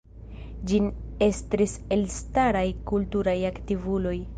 Ĝin estris elstaraj kulturaj aktivuloj.